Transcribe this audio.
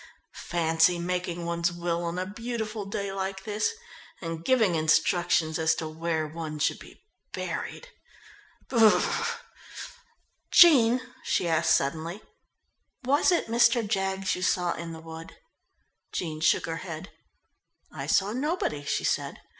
"Fancy making one's will on a beautiful day like this, and giving instructions as to where one should be buried. Brrr! Jean," she asked suddenly, "was it Mr. Jaggs you saw in the wood?" Jean shook her head. "I saw nobody," she said.